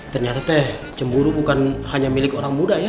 ternyata teh cemburu bukan hanya milik orang muda ya